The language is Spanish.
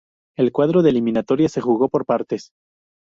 El cuadro de eliminatorias se jugó por partes.